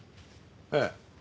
ええ。